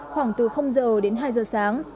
khoảng từ giờ đến hai giờ sáng